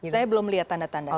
saya belum melihat tanda tandanya